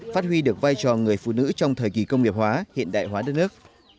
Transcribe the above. phát huy được vai trò người phụ nữ trong thời kỳ công nghiệp hóa hiện đại hóa đất nước